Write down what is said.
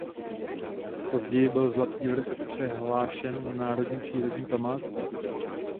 Později byl Zlatý vrch přehlášen na národní přírodní památku.